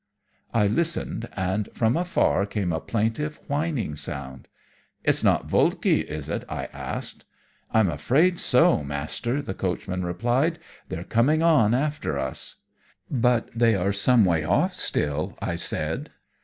I listened, and from afar came a plaintive, whining sound. 'It's not Volki, is it?' I asked. 'I'm afraid so, master,' the coachman replied, 'they're coming on after us.' "'But they are some way off still!' I said.